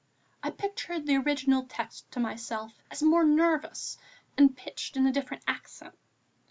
I pictured the original text to myself as more nervous and pitched in a different accent.